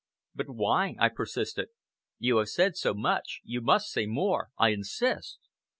"But why?" I persisted. "You have said so much, you must say more. I insist!"